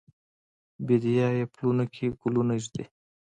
بیدیا یې پلونو کې ګلونه ایږدي